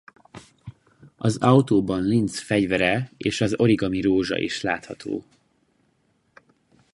Az autóban Linc fegyvere és az origami rózsa is látható.